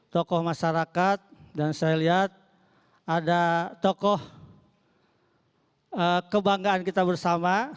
tokoh masyarakat dan saya lihat ada tokoh kebanggaan kita bersama